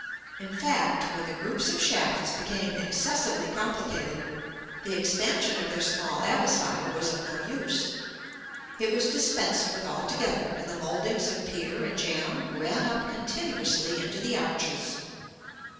In fact, when the groups of shafts became excessively complicated, the expansion of their small abaci was of no use: it was dispensed with altogether, and the mouldings of pier and jamb ran up continuously into the arches.